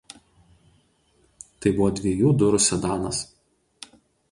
Tai buvo dviejų durų sedanas.